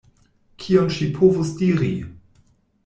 Kion ŝi povus diri?